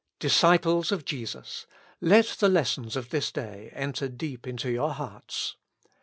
Disciples of Jesus ! let the lessons of this day enter deep into your hearts.